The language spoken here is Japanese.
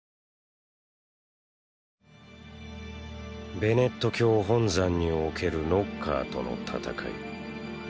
ベネット教本山におけるノッカーとの戦い。